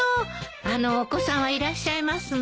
あのお子さんはいらっしゃいますの？